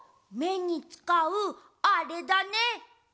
めにつかうあれだね！